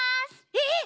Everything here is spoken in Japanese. えっ！？